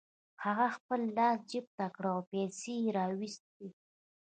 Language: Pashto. هغه خپل لاس جيب ته کړ او پيسې يې را و ايستې.